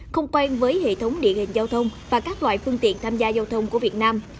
không quen với hệ thống địa hình giao thông và các loại phương tiện tham gia giao thông của việt nam